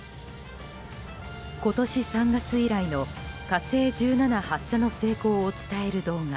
今年３月以来の「火星１７」の発射の成功を伝える動画。